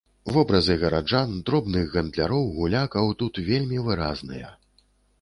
Вобразы гараджан, дробных гандляроў, гулякаў тут вельмі выразныя.